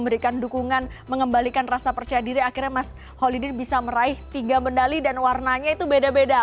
memberikan dukungan mengembalikan rasa percaya diri akhirnya mas holidin bisa meraih tiga medali dan warnanya itu beda beda